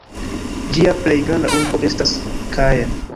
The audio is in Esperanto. Ĝia plej granda urbo estas Caen.